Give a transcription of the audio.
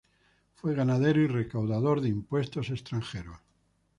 Fue ganadero y recaudador de impuestos extranjeros.